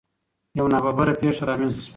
یو نا ببره پېښه رامنځ ته شوه.